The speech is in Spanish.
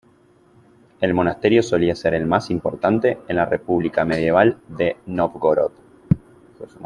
El monasterio solía ser el más importante en la república medieval de Novgorod.